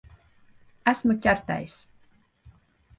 Esmu ķertais.